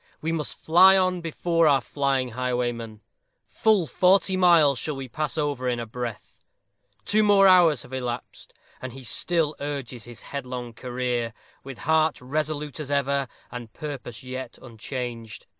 We must fly on before our flying highwayman. Full forty miles shall we pass over in a breath. Two more hours have elapsed, and he still urges his headlong career, with heart resolute as ever, and purpose yet unchanged.